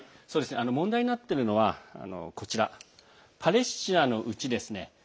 問題になっているのはこちら、パレスチナのうちですね